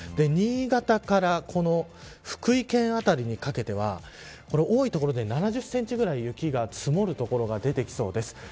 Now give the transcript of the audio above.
新潟から福井県辺りにかけては多い所で７０センチぐらい雪が積もる所が出てきそうです。